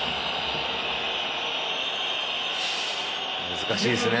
難しいですね。